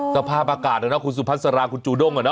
สภาพอากาศนะคุณสุพัสราคุณจูด้ง